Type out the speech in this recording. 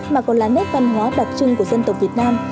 mà còn là nét văn hóa đặc trưng của dân tộc việt nam